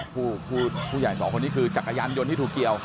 ผู้ใหญ่สองคนนี้คือจักรยานยนต์ที่ถูกเกี่ยว